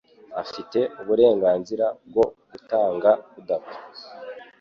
Afite uburenganzira bwo gutanga kudapfa.